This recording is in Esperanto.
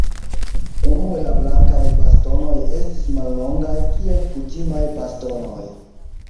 Unue la blankaj bastonoj estis mallongaj, kiel kutimaj bastonoj.